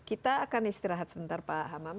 kita akan istirahat sebentar pak hamam